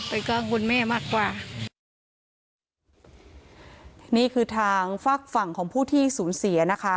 เป็นกังวลแม่มากกว่านี่คือทางฝากฝั่งของผู้ที่สูญเสียนะคะ